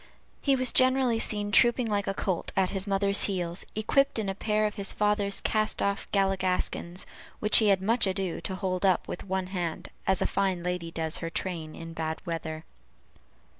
He was generally seen trooping like a colt at his mother's heels, equipped in a pair of his father's cast off galligaskins, which he had much ado to hold up with one hand, as a fine lady does her train in bad weather.